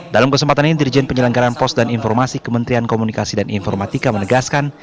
dalam kesempatan ini dirjen penyelenggaran pos dan informasi kementerian komunikasi dan informatika menegaskan